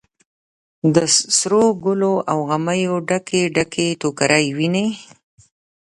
د سروګلو او غمیو ډکې، ډکې ټوکرۍ ویني